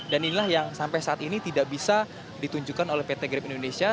dan inilah yang sampai saat ini tidak bisa ditunjukkan oleh pt grab indonesia